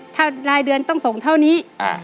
ถ้ารายเดือนต้องส่งเท่านี้